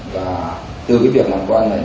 và từ cái việc làm quen này